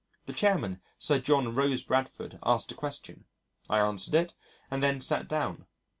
The chairman, Sir John Rose Bradford, asked a question, I answered it and then sat down.